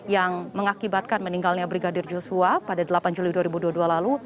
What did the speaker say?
yang mengakibatkan meninggalnya brigadir joshua pada delapan juli dua ribu dua puluh dua lalu